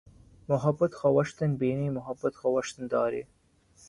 محبت خویشتن بینی محبت خویشتن داری